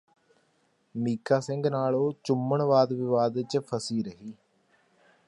ਮੀਕਾ ਸਿੰਘ ਨਾਲ ਉਹ ਚੁੰਮਣ ਵਾਦਵਿਵਾਦ ਚ ਫ਼ਸੀ ਰਹੀ